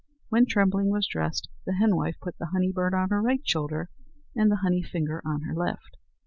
When Trembling was dressed, the henwife put the honey bird on her right shoulder and the honey finger on her left.